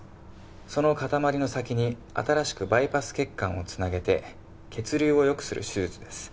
その塊の先に新しくバイパス血管をつなげて血流をよくする手術です